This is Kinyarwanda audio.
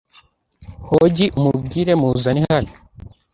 Hogi umubwire muzane hano